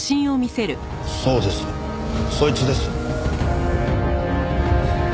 そうですそいつです。